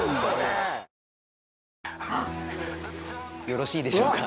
よろしいでしょうか。